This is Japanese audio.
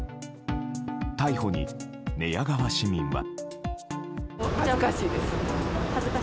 逮捕に寝屋川市民は。